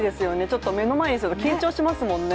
ちょっと目の前にすると緊張しますもんね。